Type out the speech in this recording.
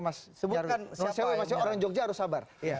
mas jarwi masih orang jogja harus sabar